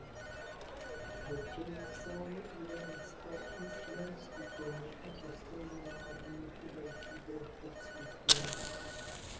Richardson je nejstarší člen skupiny a často známý jako velký bratr skupiny.